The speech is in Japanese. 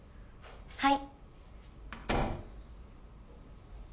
はい。